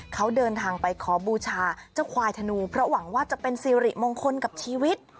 เขาเดินทางไปขอบูชาเจ้าควายธนูเพราะหวังว่าจะเป็นสิริมงคลกับชีวิต